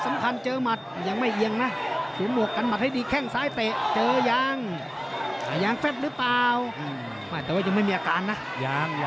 ในช่วงกำลังยกที่๓นะ